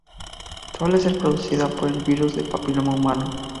Suele ser producida por el virus del papiloma humano.